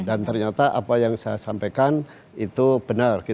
dan ternyata apa yang saya sampaikan itu benar